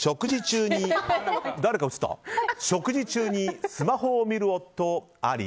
食事中にスマホを見る夫あり？